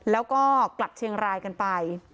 แล้วก็กลับเชียงรายกันไป